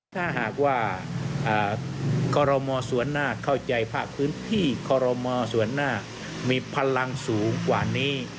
ถ้าหากว่าคอรมอส่วนหน้าเข้าใจภาคพื้นที่คอรมอส่วนหน้ามีพลังสูงกว่านี้